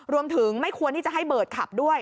ไม่ควรที่จะให้เบิร์ดขับด้วย